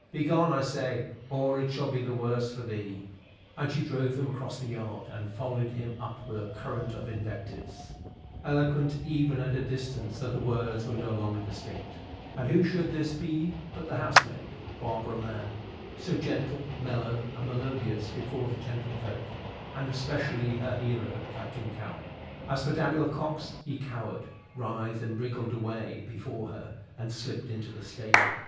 Begone, I say, or it shall be the worse for thee;" and she drove him across the yard, and followed him up with a current of invectives, eloquent even at a distance though the words were no longer distinct: and who should this be but the housemaid, Barbara Lamb, so gentle, mellow, and melodious before the gentlefolk, and especially her hero, Captain Cowen! As for Daniel Cox, he cowered, writhed, and wriggled away before her, and slipped into the stable.